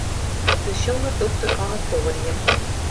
De sjonger dûkte fan it poadium.